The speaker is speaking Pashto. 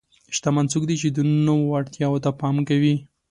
شتمن څوک دی چې د نورو اړتیا ته پام کوي.